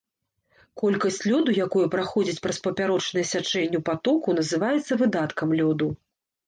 Колькасць лёду, якое праходзіць праз папярочнае сячэнне патоку, называецца выдаткам лёду.